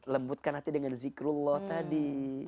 lembutkan hati dengan zikrul lo tadi